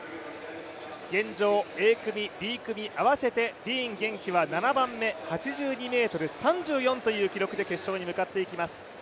現状、Ａ組Ｂ組合わせて、ディーン元気は８２ｍ３４という記録で決勝に向かっていきます。